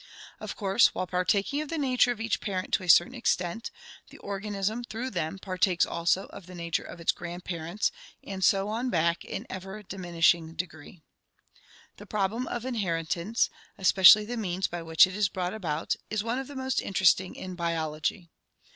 Of course, while partaking of the nature of each parent to a certain extent, the organism through them partakes also of the nature of its grandparents and so on back in ever diminishing degree. The problem of inheritance, especially the means by which it is brought about, is one of the most interesting in Biology.